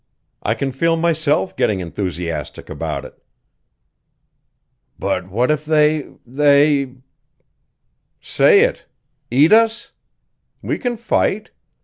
I can feel myself getting enthusiastic about it." "But what if they they " "Say it. Eat us? We can fight.